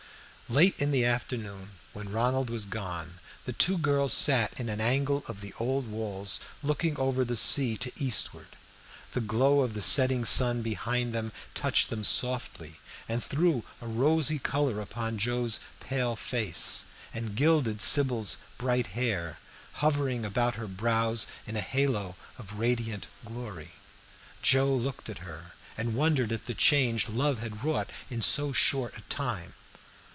Late in the afternoon, when Ronald was gone, the two girls sat in an angle of the old walls, looking over the sea to eastward. The glow of the setting sun behind them touched them softly, and threw a rosy color upon Joe's pale face, and gilded Sybil's bright hair, hovering about her brows in a halo of radiant glory. Joe looked at her and wondered at the change love had wrought in so short a time.